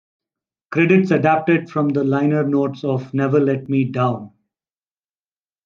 Credits adapted from the liner notes of "Never Let Me Down".